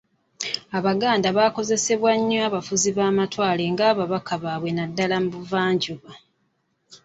Abaganda baakozesebwa nnyo abafuzi b'amatwale nga ababaka baabwe naddala mu buvanjuba.